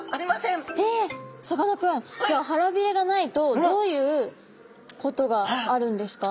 さかなクンじゃあ腹びれがないとどういうことがあるんですか？